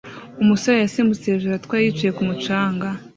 Umusore yasimbutse hejuru atwaye yicaye kumu canga